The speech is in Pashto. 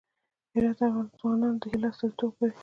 هرات د افغان ځوانانو د هیلو استازیتوب کوي.